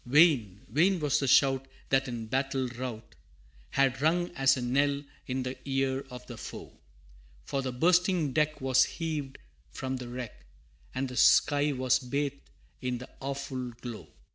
Vain, vain was the shout, that in battle rout, Had rung as a knell in the ear of the foe, For the bursting deck was heaved from the wreck, And the sky was bathed in the awful glow!